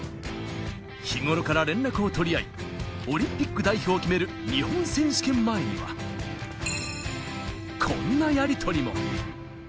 日頃から連絡を取り合いオリンピック代表を決める日本選手権前にはこんなやりとりも。